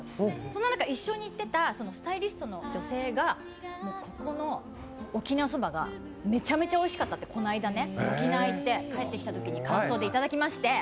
そんな中、一緒に行っていたスタイリストの女性が、ここの沖縄そばがめちゃめちゃおいしかったって沖縄行って帰ってきたときに感想でいただきまして。